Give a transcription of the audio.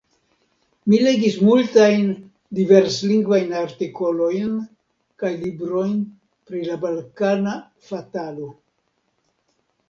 Mi legis multajn, diverslingvajn artikolojn kaj librojn pri la balkana fatalo.